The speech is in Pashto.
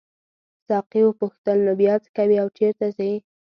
ساقي وپوښتل نو بیا څه کوې او چیرته ځې.